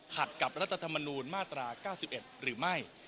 ขัดกับรัฐธรรมนูญมาตรา๙๑หรือไม่